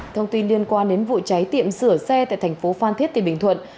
thông tin liên quan đến vụ cháy tiệm sửa xe tại thành phố phan thiết bình thuận